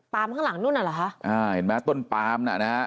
ข้างหลังนู่นน่ะเหรอคะอ่าเห็นไหมต้นปามน่ะนะฮะ